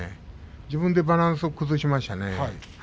自分でバランスを大きく崩しましたね。